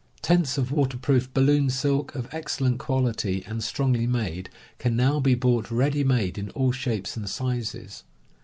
Tents of water proofed balloon silk of excellent quality and strongly made can now be bought ready made in all shapes and sizes.